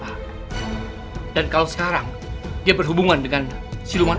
aku tidak ada usaha se mecata atau senyuman guilty ty uman